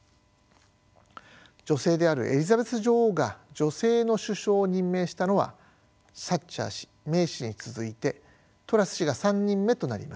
女性であるエリザベス女王が女性の首相を任命したのはサッチャー氏メイ氏に続いてトラス氏が３人目となります。